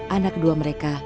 anak kedua mereka